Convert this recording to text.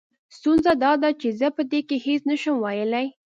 ستونزه دا ده چې زه په دې کې هېڅ نه شم ويلې.